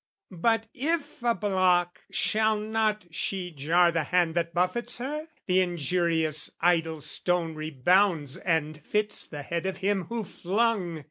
But, if a block, shall not she jar the hand That buffets her? The injurious idle stone Rebounds and fits the head of him who flung.